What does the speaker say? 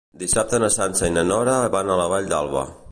Dissabte na Sança i na Nora van a la Vall d'Alba.